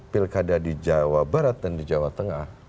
pilkada di jawa barat dan di jawa tengah